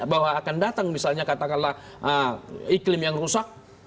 bahwa akan datang misalnya katakanlah iklim yang rusak